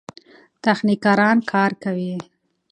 تخنیکران کار کوي.